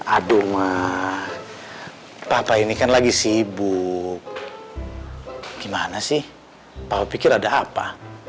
aduh mah papa ini kan lagi sibuk gimana sih papa pikir ada apa